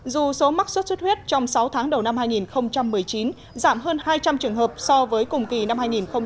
dù số mắc sốt xuất huyết trong sáu tháng đầu năm hai nghìn một mươi chín giảm hơn hai trăm linh trường hợp so với cùng kỳ năm hai nghìn một mươi tám